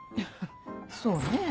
そうねぇ。